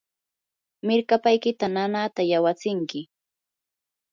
mirkapaykita nanaata yawatsinki.